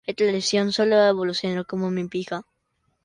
Esta tradición sólo ha evolucionado.